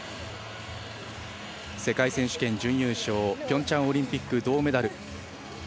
世界選手権準優勝ピョンチャンオリンピック銅メダル。